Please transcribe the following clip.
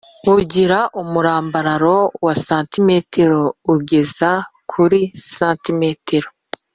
bugira umurambararo wa cm ugeza kuri cm